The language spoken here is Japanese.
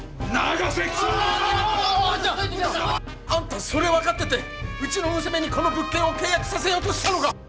あんたそれ分かっててうちの娘にこの物件を契約させようとしたのか！